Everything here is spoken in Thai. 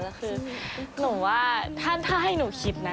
แล้วคือหนูว่าถ้าให้หนูคิดนะ